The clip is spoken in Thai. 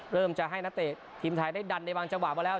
เริ่มจะให้นักเตะทีมไทยได้ดันในบางจังหวะมาแล้ว